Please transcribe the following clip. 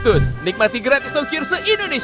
ya allah kuatkan istri hamba menghadapi semua ini ya allah